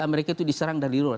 mereka itu diserang dari luar